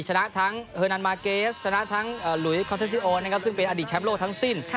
ชนะทั้งเอร์นันมาเกสชนะทั้งหลุยคอนเทนจิโอนะครับซึ่งเป็นอดีตแชมป์โลกทั้งสิ้น